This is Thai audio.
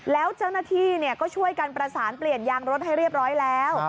แล้วเจ้าหน้าที่ก็ช่วยกันประสานเปลี่ยนยางรถให้เรียบร้อยแล้ว